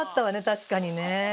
確かにね。